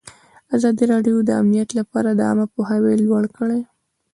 ازادي راډیو د امنیت لپاره عامه پوهاوي لوړ کړی.